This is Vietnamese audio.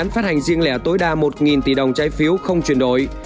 phát hành riêng lẻ tối đa một tỷ đồng trái phiếu không chuyển đổi